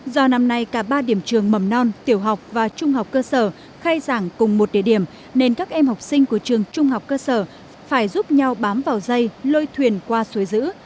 do năm nay cả ba điểm trường mầm non tiểu học và trung học cơ sở khai giảng cùng một địa điểm nên các em học sinh của trường trung học cơ sở phải giúp nhau bám vào dây lôi thuyền qua suối dữ